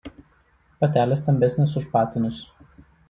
Patelės stambesnės už patinus.